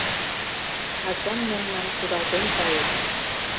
Ачам мемнам кудалтен кайыш.